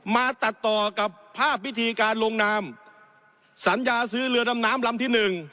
มาตัดต่อกับภาพวิธีการลงนามสัญญาซื้อเรือดำน้ำลำที่หนึ่ง